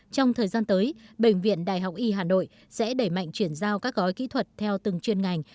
trong thời gian tới bệnh viện đại học y hà nội sẽ đẩy mạnh chuyển giao các gói kỹ thuật theo từng chuyên ngành